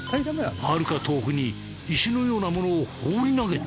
はるか遠くに石のようなものを放り投げた。